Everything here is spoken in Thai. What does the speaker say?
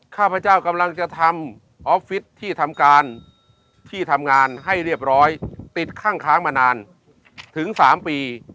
ข้าพเจ้ากำลังจะทำออฟฟิศที่ทำการที่ทำงานให้เรียบร้อยติดข้างค้างมานานถึง๓ปี